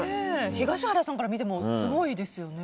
東原さんから見てもすごいですよね。